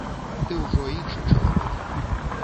Ты ўжо іншы чалавек.